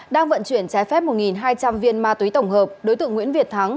đang vận chuyển trái phép một hai trăm linh viên ma túy tổng hợp đối tượng nguyễn việt thắng